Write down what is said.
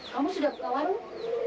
kamu sudah buka warung